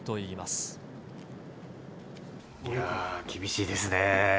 いやー、厳しいですね。